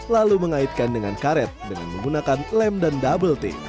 lalu mengaitkan dengan karet dengan menggunakan lem dan double tick